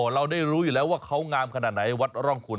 เราได้รู้อยู่แล้วว่าเขางามขนาดไหนวัดร่องคุณ